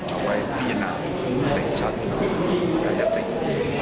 เอาไว้พิจารณาในชัดภาญัติการ